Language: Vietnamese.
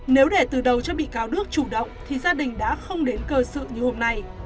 nếu để từ đầu cho bị cáo đức chủ động thì gia đình đã không đến cơ sự như hôm nay